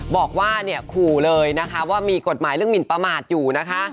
บอกว่าเนี่ยขู่เลยนะคะว่ามีกฎหมายเรื่องหมินประมาทอยู่นะคะ